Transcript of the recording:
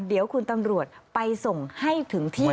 เดี๋ยวคุณตำรวจไปส่งให้ถึงที่